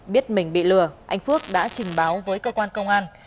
biết mình bị lừa anh phước đã trình báo với cơ quan công an